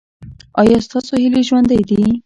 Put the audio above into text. ایا ستاسو هیلې ژوندۍ دي؟